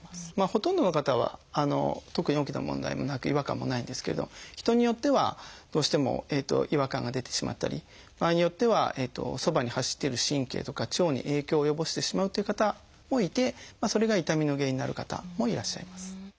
ほとんどの方は特に大きな問題もなく違和感もないんですけど人によってはどうしても違和感が出てしまったり場合によってはそばに走っている神経とか腸に影響を及ぼしてしまうという方もいてそれが痛みの原因になる方もいらっしゃいます。